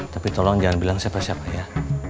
tapi tolong jangan bilang siapa siapa ya